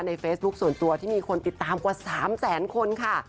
เฟซบุ๊คส่วนตัวที่มีคนติดตามกว่า๓แสนคนค่ะ